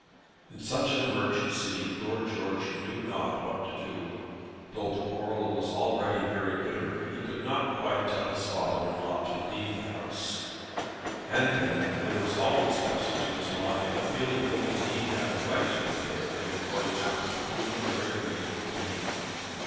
In such an emergency Lord George knew not what to do. Though the quarrel was already very bitter, he could not quite tell his father in law to leave the house; and then there was always present to his mind a feeling that the Dean had a right to be there in accordance with the pecuniary arrangement made.